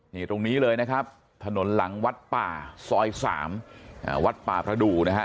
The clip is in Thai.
นี่ตรงนี้เลยนะครับถนนหลังวัดป่าซอย๓วัดป่าประดูนะฮะ